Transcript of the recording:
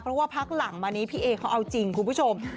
เพราะว่าพักหลังมานี้พี่เอเขาเอาจริงคุณผู้ชม